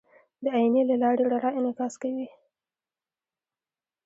د آیینې له لارې رڼا انعکاس کوي.